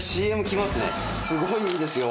すごいいいですよ